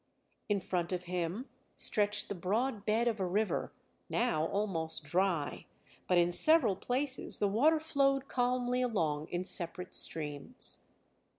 In front of him stretched the broad bed of a river, now almost dry; but in several places the water flowed calmly along in separate streams.